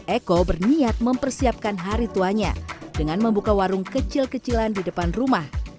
eko berniat mempersiapkan hari tuanya dengan membuka warung kecil kecilan di depan rumah